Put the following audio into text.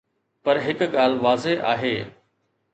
پر هڪ ڳالهه واضح آهي.